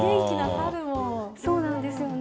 そうなんですよね。